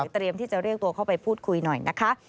เตรียมที่จะเรียกตัวเข้าไปพูดคุยหน่อยนะคะ